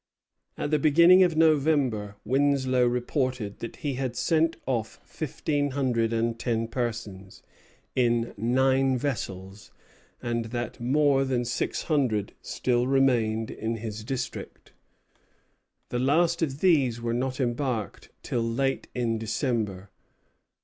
At the beginning of November Winslow reported that he had sent off fifteen hundred and ten persons, in nine vessels, and that more than six hundred still remained in his district. The last of these were not embarked till late in December.